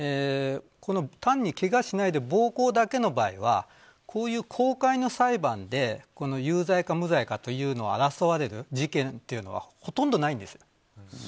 単にけがしないで暴行だけの場合はこういう公開の裁判で有罪か無罪かというのを争われる事件というのはほとんどないんです。